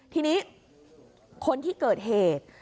ทีนี้คนที่เกิดเหตุ